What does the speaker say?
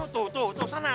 tuh tuh tuh sana